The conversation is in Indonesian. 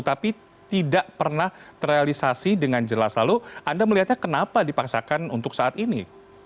tapi tidak pernah terrealisasi dengan jelas lalu anda melihatnya kenapa dipaksakan untuk saat ini